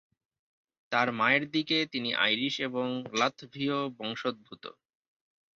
তার মায়ের দিকে, তিনি আইরিশ এবং লাত্ভীয় বংশোদ্ভূত।